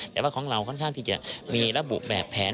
แต่ว่าของเราค่อนข้างที่จะมีระบุแบบแผน